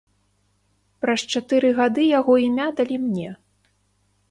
Праз чатыры гады яго імя далі мне.